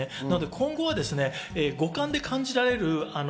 今後は五感で感じられる。